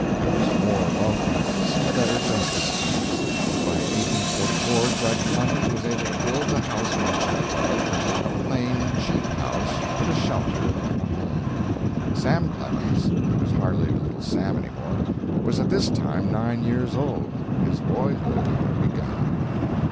There was more law practice and better justice fees. By 1844 Judge Clemens was able to build the house mentioned above a plain, cheap house, but a shelter and a home. Sam Clemens he was hardly "Little Sam" any more was at this time nine years old. His boyhood had begun.